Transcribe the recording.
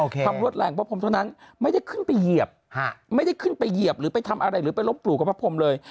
ความรวดแรงพระพรมเท่านั้นไม่ได้ขึ้นไปเหยียบไม่ได้ขึ้นไปเหยียบหรือไปทำอะไรหรือไปลบหลู่กับพระพรมเลย